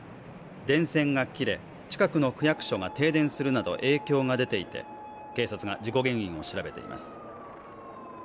電線が切れ近くの区役所が停電するなど影響が出ていて警察が事故原因を調べています